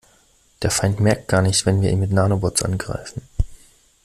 Der Feind merkt gar nicht, wenn wir ihn mit Nanobots angreifen.